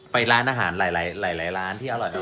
ไปร้านอาหารหลายร้านที่อร่อย